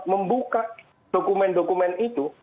membuka dokumen dokumen itu